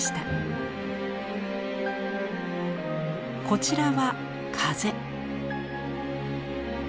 こちらは「風」。